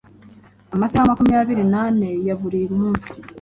amasaha makumyabiri nane ya buri munsi